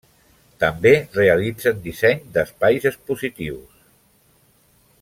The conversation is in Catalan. També realitzen disseny d'espais expositius.